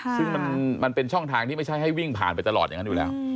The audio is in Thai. ซึ่งมันเป็นช่องทางที่ไม่ใช่ให้วิ่งผ่านไปตลอดอย่างนั้นอยู่แล้ว